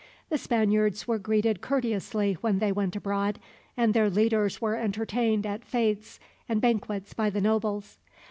The Spaniards were greeted courteously when they went abroad, and their leaders were entertained at fetes and banquets by the nobles.